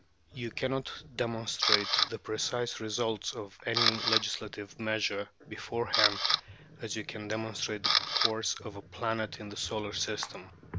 You cannot demonstrate the precise results of any legislative measure beforehand as you can demonstrate the course of a planet in the solar system.